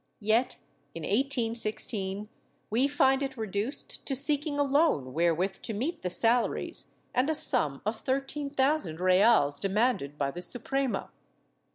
Yet in 1816 we find it reduced to seeking a loan wherewith to meet the salaries and a sum of thirteen thousand reales de manded by the Suprema.